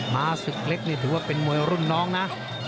มาศึกเล็กนี่ถือว่าเป็นมวยรุ่นน้องนะ